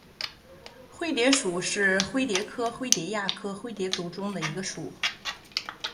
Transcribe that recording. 灰蝶属是灰蝶科灰蝶亚科灰蝶族中的一个属。